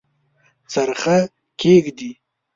څرخه کښیږدي